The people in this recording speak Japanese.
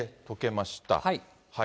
とけました。